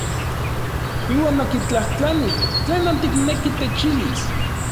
Iuan okitlajtlanij: ¿Tlenon tikneki techilis?